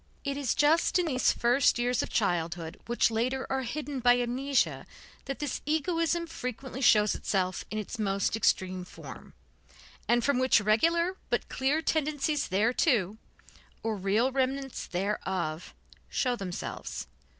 It is just in these first years of childhood which later are hidden by amnesia, that this egoism frequently shows itself in most extreme form, and from which regular but clear tendencies thereto, or real remnants thereof, show themselves.